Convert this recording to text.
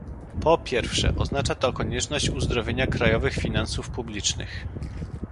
Po pierwsze, oznacza to konieczność uzdrowienia krajowych finansów publicznych